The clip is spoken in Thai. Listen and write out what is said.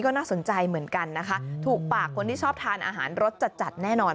ก็น่าสนใจเหมือนกันนะคะถูกปากคนที่ชอบทานอาหารรสจัดจัดแน่นอน